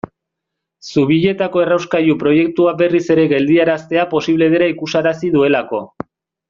Zubietako errauskailu proiektua berriz ere geldiaraztea posible dela ikusarazi duelako.